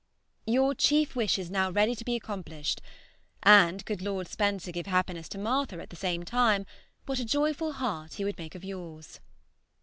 Your chief wish is now ready to be accomplished; and could Lord Spencer give happiness to Martha at the same time, what a joyful heart he would make of yours!